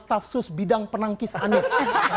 staf sus bidang penangkis anies